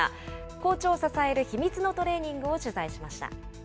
好調を支える秘密のトレーニングを取材しました。